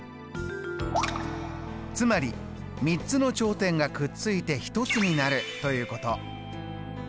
つまり３つの頂点がくっついて１つになるということ。